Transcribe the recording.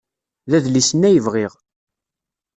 D adlis-nni ay bɣiɣ.